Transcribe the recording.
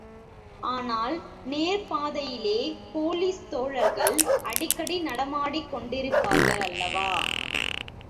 ஆனால் நேர் பாதையிலே போலிஸ் தோழர்கள் அடிக்கடி நடமாடிக்கொண்டிருப்பார்கள் அல்லவா?